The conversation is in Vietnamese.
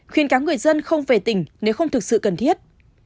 khuyên cáo người dân không về tỉnh nếu không thực sự cần thiết